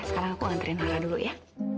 sekarang aku nganterin nara dulu ya